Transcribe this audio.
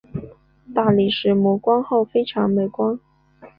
大理石磨光后非常美观。